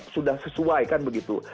sudah sesuai kan begitu